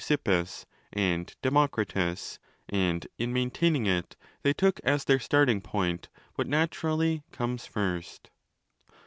8 325° by Leukippos and Demokritos : and, in maintaining it, they took as their starting point what naturally comes first.